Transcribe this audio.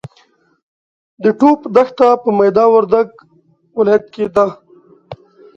د ټوپ دښته په میدا وردګ ولایت کې ده.